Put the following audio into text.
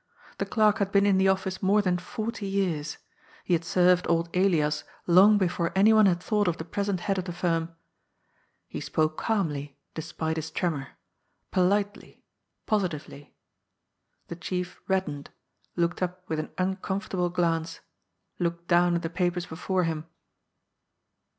The clerk had been in the office more than forty years ; he had served old Elias long before anyone had thought of the present head of the firm. He spoke calmly, despite his tremor, politely, positively. The chief reddened, looked up with an uncom i fortable glance, looked down at the papers before him.